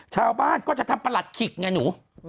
ชาวบ้านก็จะทำประหลัดขิกไงหนู